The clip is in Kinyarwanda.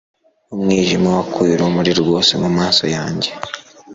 Umwijima wakuye urumuri rwose mumaso yanjye